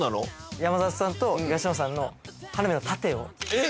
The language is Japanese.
山里さんと東野さんの花火の盾をえっ？